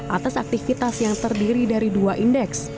atas aktivitas yang terdiri dari dua indeks